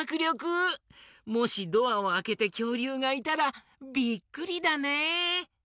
もしドアをあけてきょうりゅうがいたらびっくりだね。